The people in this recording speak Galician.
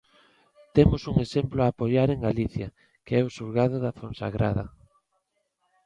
Temos un exemplo a apoiar en Galicia, que é o Xulgado da Fonsagrada.